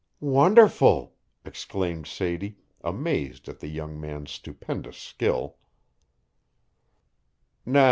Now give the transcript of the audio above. "Wonderful!" exclaimed Sadie, amazed at the young man's stupendous skill.